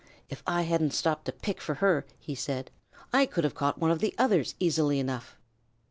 "If I hadn't stopped to pick for her," he said, "I could have caught one of the others easily enough."